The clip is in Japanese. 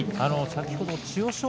先ほど千代翔